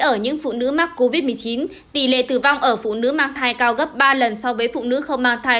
ở những phụ nữ mắc covid một mươi chín tỷ lệ tử vong ở phụ nữ mang thai cao gấp ba lần so với phụ nữ không mang thai